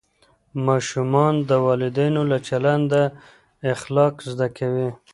ماشومان د والدینو له چلنده اخلاق زده کوي.